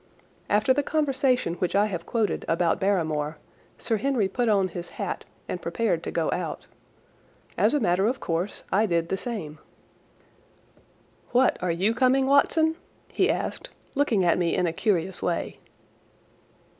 After the conversation which I have quoted about Barrymore, Sir Henry put on his hat and prepared to go out. As a matter of course I did the same. "What, are you coming, Watson?" he asked, looking at me in a curious way.